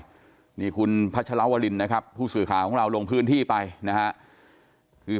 ภรรยาของผู้ตายชื่อนางสาวอารีวันนี้เราไปคุยด้วยเส้นทางเข้าไปค่อนข้างลำบากหน่อย